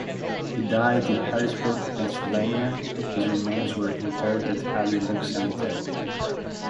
He died in Harrisburg, Pennsylvania, and his remains were interred at Harrisburg Cemetery.